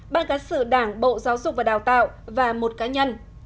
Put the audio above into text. ban cán sự đảng bộ giáo dục và đào tạo và một cá nhân